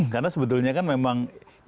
karena sebetulnya kan memang